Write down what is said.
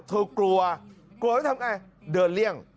กลัวกลัวแล้วทำไงเดินเลี่ยง